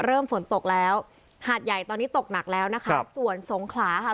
ฝนตกแล้วหาดใหญ่ตอนนี้ตกหนักแล้วนะคะส่วนสงขลาค่ะ